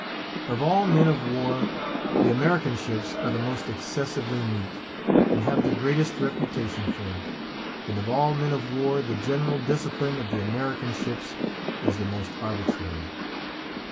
Of all men of war, the American ships are the most excessively neat, and have the greatest reputation for it. And of all men of war the general discipline of the American ships is the most arbitrary.